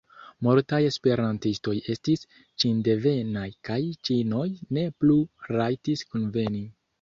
Multaj esperantistoj estis ĉindevenaj, kaj ĉinoj ne plu rajtis kunveni.